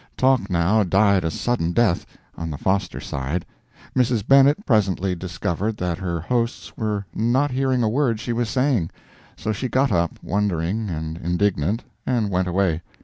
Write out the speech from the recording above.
Talk now died a sudden death on the Foster side. Mrs. Bennett presently discovered that her hosts were not hearing a word she was saying; so she got up, wondering and indignant, and went away.